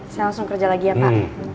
saya langsung kerja lagi ya pak